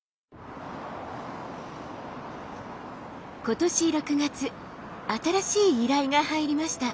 今年６月新しい依頼が入りました。